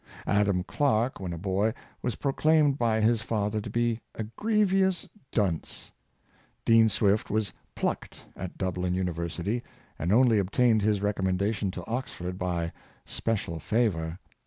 Adam Clarke, when a boy, was proclaimed by his father to be "a grievous dunce." Dean Swift was " plucked " at Dublin Uni versity, and only obtained his recommendation to Ox ford by " special favor."